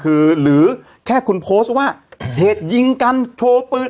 คือหรือแค่คุณโพสต์ว่าเหตุยิงกันโชว์ปืน